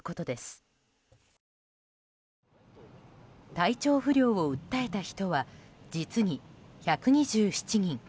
体調不良を訴えた人は実に１２７人。